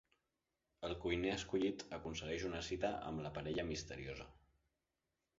El cuiner escollit aconsegueix una cita amb la parella misteriosa.